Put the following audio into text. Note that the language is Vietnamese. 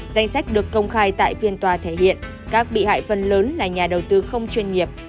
danh sách được công khai tại phiên tòa thể hiện các bị hại phần lớn là nhà đầu tư không chuyên nghiệp